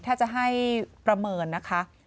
ถ้าจะให้ประเมินนะคะ